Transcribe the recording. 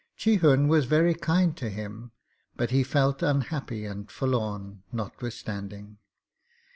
Chihun was very kind to him, but he felt unhappy and forlorn notwithstanding.